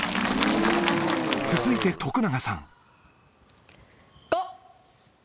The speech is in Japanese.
続いて徳永さん。